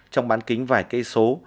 trong bán kính vài cây số